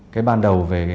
cái ban đầu